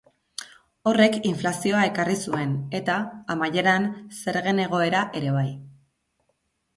Horrek inflazioa ekarri zuen, eta, amaieran, zergen egoera ere bai.